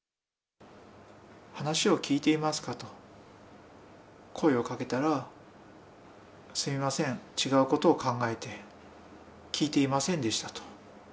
話を聞いていますかと、声をかけたら、すみません、違うことを考えて聞いていませんでしたと。